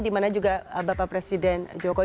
dimana juga bapak presiden jokowi